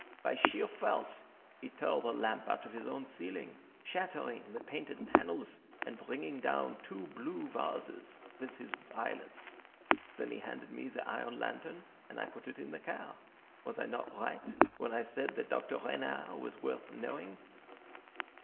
By sheer force he tore the lamp out of his own ceiling, shattering the painted panels, and bringing down two blue vases with his violence. Then he handed me the iron lantern, and I put it in the car. Was I not right when I said that Dr. Renard was worth knowing?"